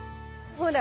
ほら。